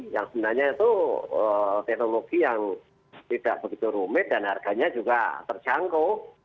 yang sebenarnya itu teknologi yang tidak begitu rumit dan harganya juga terjangkau